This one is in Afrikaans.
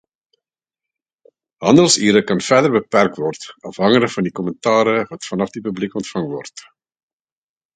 Handelsure kan verder beperk word afhangende van kommentare wat vanaf die publiek ontvang word.